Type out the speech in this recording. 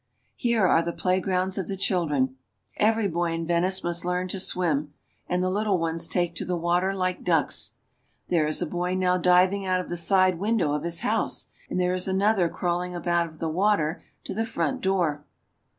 Here are the playgrounds of the children. Every boy in Venice must learn to swim, and the little ones take to the water like ducks. There is 396 ITALY. a boy now diving out of the side window of his house, and there is another crawling up out of the water to the front door.